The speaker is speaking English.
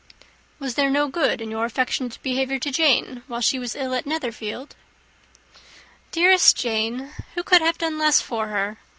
"Was there no good in your affectionate behaviour to Jane, while she was ill at Netherfield?" "Dearest Jane! who could have done less for her?